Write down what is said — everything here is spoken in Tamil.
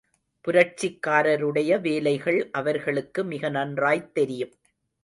புரட்சிக்காரருடைய வேலைகள் அவர்களுக்கு மிக நன்றாய்த் தெரியும்.